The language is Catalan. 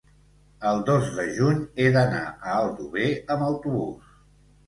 el dos de juny he d'anar a Aldover amb autobús.